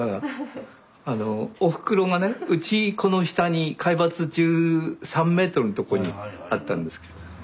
おふくろがねうちこの下に海抜１３ｍのとこにあったんですけどま